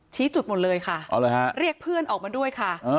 จุดหมดเลยค่ะเรียกเพื่อนออกมาด้วยค่ะ